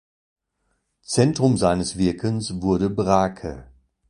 Zentrum seines Wirkens wurde Brake.